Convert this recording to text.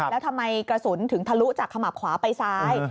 แล้วทำไมกระสุนถึงทะลุจากขมับขวาไปซ้าย